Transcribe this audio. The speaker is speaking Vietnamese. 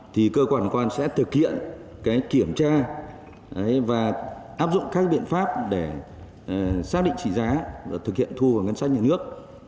thì cơ quan hải quan sẽ thực hiện kiểm tra và áp dụng các biện pháp để xác định trị giá và thực hiện thu vào ngân sách nhà nước